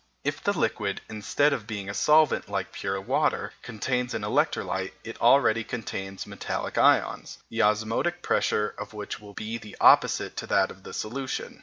If the liquid, instead of being a solvent like pure water, contains an electrolyte, it already contains metallic ions, the osmotic pressure of which will be opposite to that of the solution.